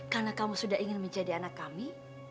karena kamu sudah ingin menjadi anak kami